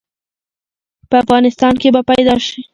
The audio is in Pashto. په افغانستان کې به پيدا ش؟